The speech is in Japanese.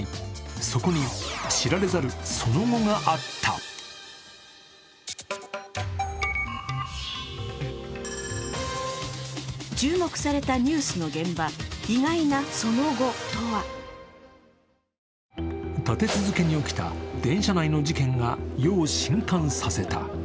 そこに知られざる、その後があった立て続けに起きた電車内の事件が世を震撼させた。